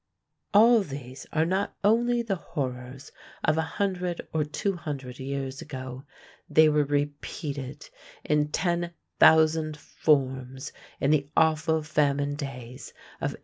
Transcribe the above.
'" All these are not only the horrors of a hundred or two hundred years ago; they were repeated in ten thousand forms in the awful famine days of 1847.